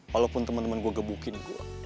walaupun temen temen gue gebukin gue